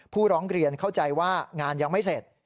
ร้องเรียนเข้าใจว่างานยังไม่เสร็จ